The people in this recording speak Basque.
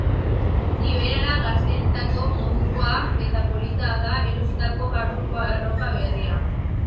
Liberala, gazteentzako modukoa eta polita da erositako barruko arropa berria.